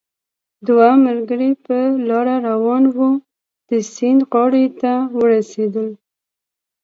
دوه ملګري په لاره روان وو، د سیند غاړې ته ورسېدل